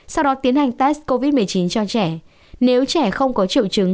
sau đó tiến hành test covid một mươi chín cho trẻ nếu trẻ không có triệu chứng